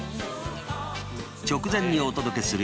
直前にお届けする